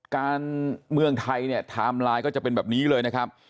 การเมืองไทยเนี่ยไทม์ไลน์ก็จะเป็นแบบนี้เลยนะครับ